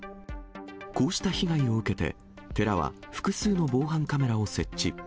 こうした被害を受けて、寺は複数の防犯カメラを設置。